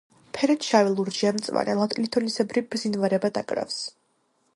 ფერად შავი, ლურჯი ან მწვანე, ლითონისებრი ბზინვარება დაკრავს.